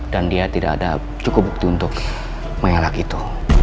dia tidak ada cukup bukti untuk mengelak itu